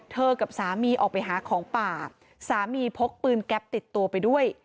กับสามีออกไปหาของป่าสามีพกปืนแก๊ปติดตัวไปด้วย